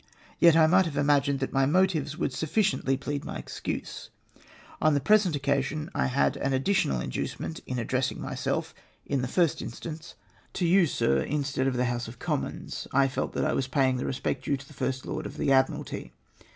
Yet I might have imagined that my motives would sufficiently plead my excuse. On the present occasion I had an addi tional inducement in addressing myself in the first instance 158 AND REPETITION OF MV PLANS. to you, Sir, instead of the House of Commons. I felt that I was paying the respect due to tlie First Lord of the x'Vd miralty.